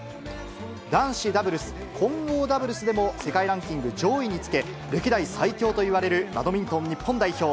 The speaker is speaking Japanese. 男子ダブルス、混合ダブルスでも世界ランキング上位につけ、歴代最強といわれるバドミントン日本代表。